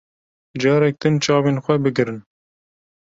Carek din çavên xwe bigirin.